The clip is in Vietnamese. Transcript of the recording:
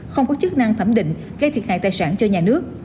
không có chức năng thẩm định gây thiệt hại tài sản cho nhà nước